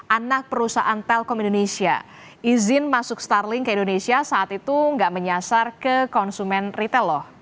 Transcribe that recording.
anak perusahaan telkom indonesia izin masuk starling ke indonesia saat itu nggak menyasar ke konsumen retail loh